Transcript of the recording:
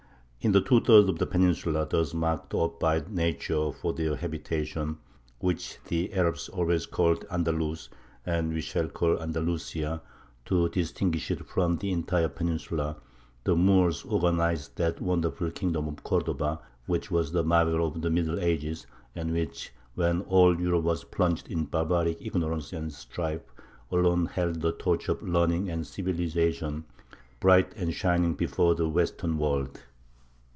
] In the two thirds of the peninsula thus marked off by nature for their habitation, which the Arabs always called "Andalus," and we shall call Andalusia, to distinguish it from the entire peninsula, the Moors organized that wonderful kingdom of Cordova which was the marvel of the Middle Ages, and which, when all Europe was plunged in barbaric ignorance and strife, alone held the torch of learning and civilization bright and shining before the Western world.